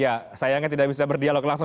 ya sayangnya tidak bisa berdialog langsung